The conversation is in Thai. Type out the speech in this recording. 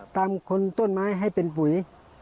คนต้นไม้ให้เป็นปุ๋ย